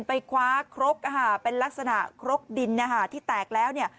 ไปคว้าครกเป็นลักษณะครกดินที่แตกแล้ว